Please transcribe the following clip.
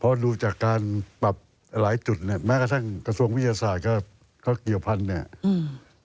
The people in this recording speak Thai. เพราะดูจากการปรับหลายจุดเนี่ยแม้กระทั่งกระทรวงวิทยาศาสตร์ก็เขาเกี่ยวพันธุ์เนี่ยอืม